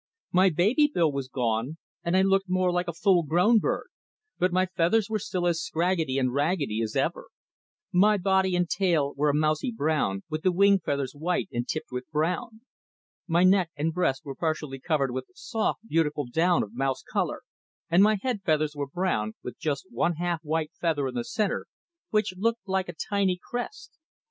My baby bill was gone and I looked more like a full grown bird, but my feathers were still as scraggedy and raggedy as ever. My body and tail were a mousey brown, with the wing feathers white and tipped with brown. My neck and breast were partially covered with soft, beautiful down of mouse color, and my head feathers were brown, with just one half white feather in the centre which looked like a tiny crest.